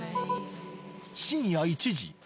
深夜１時。